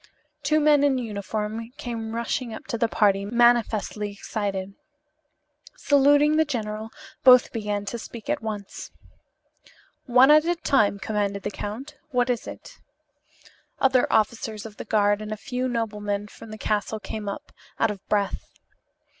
Two men in uniform came rushing up to the party, manifestly excited. Saluting the general, both began to speak at once. "One at a time," commanded the count. "What is it?" Other officers of the guard and a few noblemen from the castle came up, out of breath.